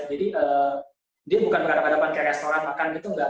jadi dia bukan berada berada kayak restoran makan gitu enggak